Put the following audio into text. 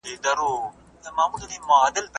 زه اوږده وخت سړو ته خواړه ورکوم